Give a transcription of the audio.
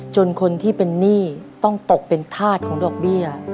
จนคนที่เป็นหนี้ต้องตกเป็นธาตุของดอกเบี้ย